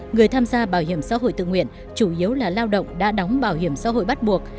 người tham gia bảo hiểm xã hội tự nguyện chủ yếu là lao động đã đóng bảo hiểm xã hội bắt buộc